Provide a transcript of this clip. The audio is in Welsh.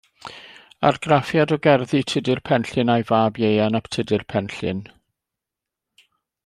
Argraffiad o gerddi Tudur Penllyn a'i fab Ieuan ap Tudur Penllyn.